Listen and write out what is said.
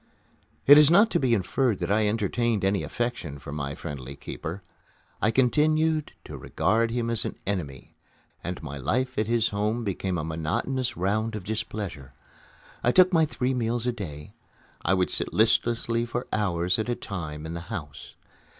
It is not to be inferred that I entertained any affection for my friendly keeper. I continued to regard him as an enemy; and my life at his home became a monotonous round of displeasure. I took my three meals a day. I would sit listlessly for hours at a time in the house.